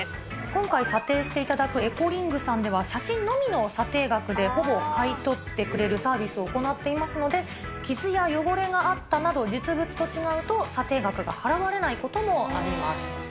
今回、査定していただくエコリングさんでは、写真のみの査定額でほぼ買い取ってくれるサービスを行っていますので、傷や汚れがあったなど、実物と違うと査定額が払われないこともあります。